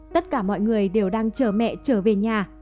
tất cả mọi người đều đang chờ mẹ trở về nhà